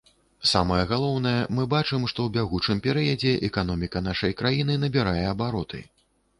Самае галоўнае, мы бачым, што ў бягучым перыядзе эканоміка нашай краіны набірае абароты.